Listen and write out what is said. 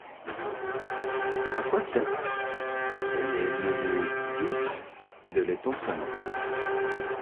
À Foissiat, elle est nommée Bief de l'Étang Sonant.